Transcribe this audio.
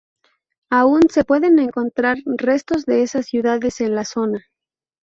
Aún se pueden encontrar restos de esas ciudades en la zona.